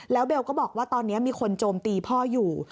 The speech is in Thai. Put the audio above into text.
แล้วเบลก็บอกว่าตอนนี้มีคนโจมตีพ่ออยู่